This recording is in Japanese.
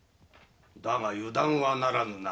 だが油断はならぬな。